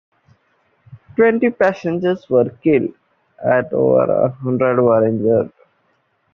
Twenty passengers were killed and over a hundred were injured.